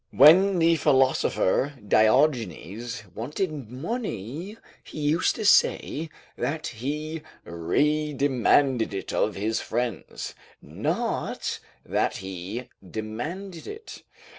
When the philosopher Diogenes wanted money, he used to say, that he redemanded it of his friends, not that he demanded it.